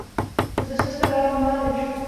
Zde se starala o mládež.